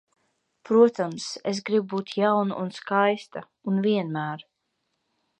Protams, es gribu būt jauna un skaista, un vienmēr.